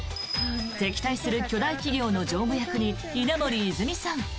敵対する巨大企業の常務役に稲森いずみさん。